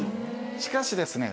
しかしですね